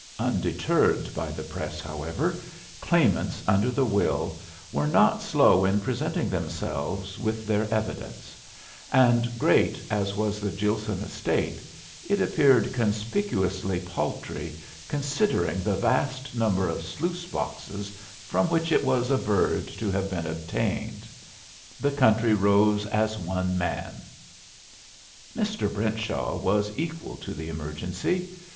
Undeterred by the press, however, claimants under the will were not slow in presenting themselves with their evidence; and great as was the Gilson estate it appeared conspicuously paltry considering the vast number of sluice boxes from which it was averred to have been obtained. The country rose as one man! Mr. Brentshaw was equal to the emergency.